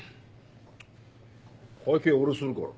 会計俺するから。